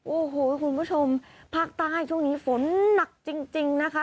โอ้โหคุณผู้ชมภาคใต้ช่วงนี้ฝนหนักจริงนะคะ